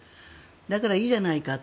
だから、いいじゃないかと。